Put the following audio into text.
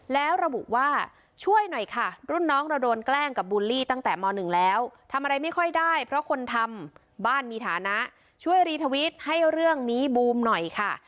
แล้วระบุว่าช่วยหน่อยค่ะรุ่นน้องเราโดนแกล้งกับบูลลี่ตั้งแต่ม๑แล้วทำอะไรไม่ค่อยได้เพราะคนทำบ้านมีฐานะช่วยรีทวิตให้เรื่องนี้บูมหน่อยค่ะ